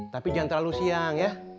tapi jangan terlalu siang ya